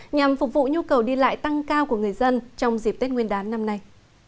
nhằm phục vụ nhu cầu đi lại tăng cao của người dân trong dịp tết nguyên đán năm nay